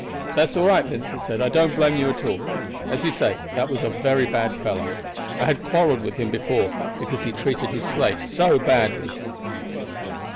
"That's all right," Vincent said; "I don't blame you at all. As you say, that was a very bad fellow. I had quarreled with him before, because he treated his slaves so badly."